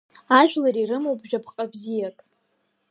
Ажәлар ирымоуп жәаԥҟа бзиак…